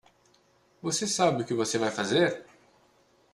Você sabe o que você vai fazer?